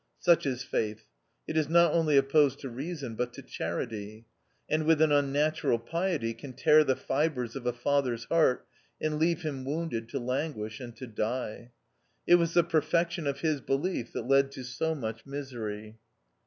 Such is Faith ! It is not only opposed to Reason, but to Charity ; and with an unnatural piety can tear the fibres of a father's heart, and leave him wounded to languish and to die. It was the perfec tion of his belief that led to so much misery.